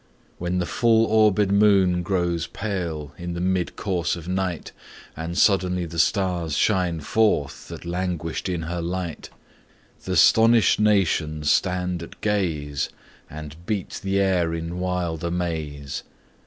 When the full orbèd moon grows pale In the mid course of night, And suddenly the stars shine forth That languished in her light, Th' astonied nations stand at gaze, And beat the air in wild amaze.